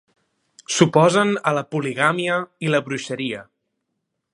S'oposen a la poligàmia i la bruixeria.